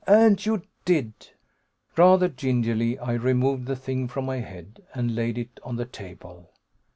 And you did!" Rather gingerly I removed the thing from my head and laid it on the table.